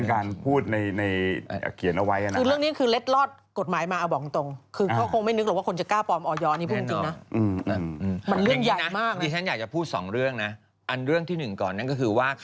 อันนี้เป็นเรื่องทรัพย์มาก